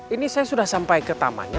ini saya sudah sampai ke tamannya